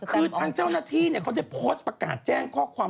คือทางเจ้าหน้าที่เขาได้โพสต์ประกาศแจ้งข้อความ